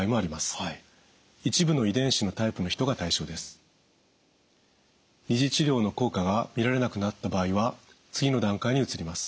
このほかには２次治療の効果が見られなくなった場合は次の段階に移ります。